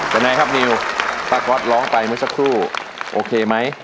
เป็นไงครับนิวป้าก๊อตร้องไปเมื่อสักครู่โอเคไหม